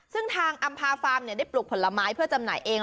ซึ่งทางอำพาฟาร์มได้ปลูกผลไม้เพื่อจำหน่ายเอง